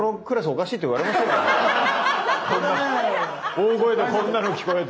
大声でこんなの聞こえたら。